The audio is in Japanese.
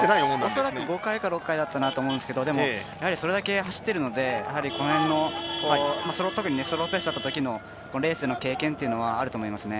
恐らく５回か６回かなって思うんですけどそれだけ走ってるので特に、この辺のスローペースだったときのレースでの経験というのはあると思いますね。